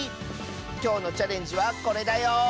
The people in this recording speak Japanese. きょうのチャレンジはこれだよ！